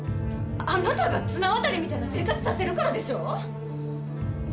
あなたが綱渡りみたいな生活させるからでしょ！？